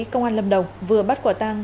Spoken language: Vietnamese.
công an lâm đồng vừa bắt quả tăng